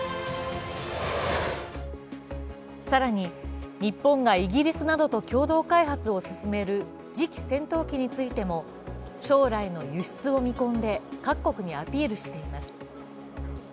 更に日本がイギリスなどと共同開発を進める次期戦闘機についても将来の輸出を見込んで各国にアピールしています。